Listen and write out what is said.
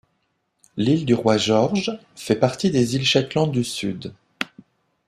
L'île du Roi-George fait partie des îles Shetland du Sud.